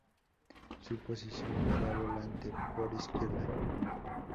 Su posición era volante por izquierda.